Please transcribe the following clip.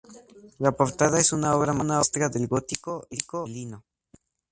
La portada es una obra maestra del gótico isabelino.